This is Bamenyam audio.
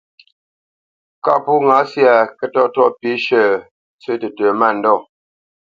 Kâʼ pó ŋǎ syâ, kə́tɔ́ʼtɔ́ʼ pî shʉ̂, ntsə́ tətə mândɔ̂,